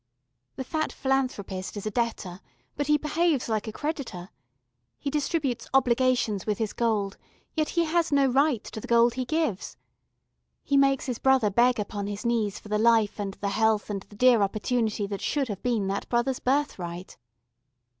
The fat philanthropist is a debtor, but he behaves like a creditor; he distributes obligations with his gold, yet he has no right to the gold he gives. He makes his brother beg upon his knees for the life and the health and the dear opportunity that should have been that brother's birthright."